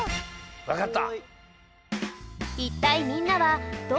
わかった！